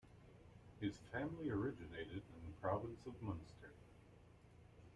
His family originated in the Province of Munster.